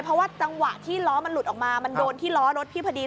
เพราะว่าจังหวะที่ล้อมันหลุดออกมามันโดนที่ล้อรถพี่พอดี